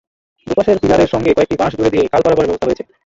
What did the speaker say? দুপাশের পিলারের সঙ্গে কয়েকটি বাঁশ জুড়ে দিয়ে খাল পারাপারের ব্যবস্থা হয়েছে।